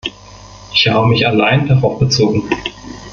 Ich habe mich allein darauf bezogen.